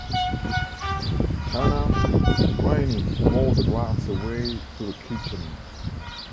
Tana, grinning, bore the glass away to the kitchen.